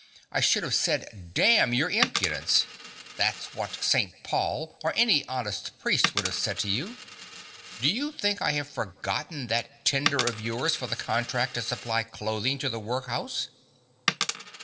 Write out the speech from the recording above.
I should have said damn your impudence: that's what St. Paul, or any honest priest would have said to you. Do you think I have forgotten that tender of yours for the contract to supply clothing to the workhouse?